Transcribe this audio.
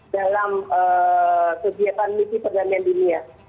dalam kegiatan misi perdamaian dunia